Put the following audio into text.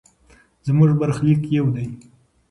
زموږ برخلیک یو دی.